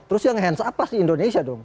terus yang hands up pasti indonesia dong